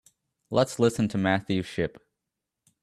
Let's listen to Matthew Shipp.